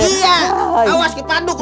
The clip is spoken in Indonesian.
iya awas kepaduk lu